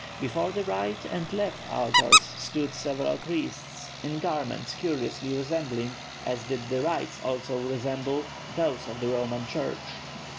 Before the right and left altars stood several priests, in garments curiously resembling, as did the rites also resemble, those of the Roman Church.